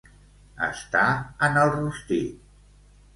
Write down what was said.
Estar en el rostit.